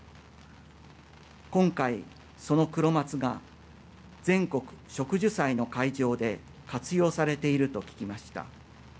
今回、そのクロマツが全国植樹祭の会場で活用されていると聞きました。